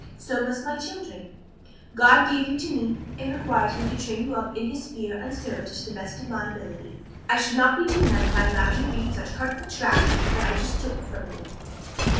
So must my children. God gave you to me and requires me to train you up in His fear and service to the best of my ability. I should not be doing that if I allowed you to read such hurtful trash as that I just took from you."